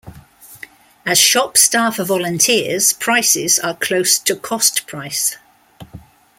As shop staff are volunteers prices are close to cost price.